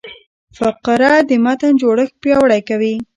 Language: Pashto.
فقره د متن جوړښت پیاوړی کوي.